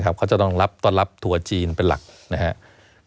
เขาจะต้องต้อนรับทัวร์จีนเป็นหลักนะครับ